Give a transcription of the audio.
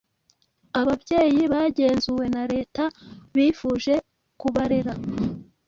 ababyeyi bagenzuwe na leta bifuje kubarera